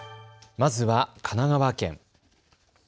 まずは神奈川県。